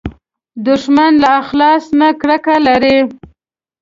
دښمن له اخلاص نه کرکه لري